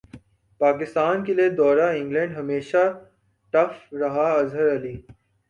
پاکستان کیلئے دورہ انگلینڈ ہمیشہ ٹف رہا اظہر علی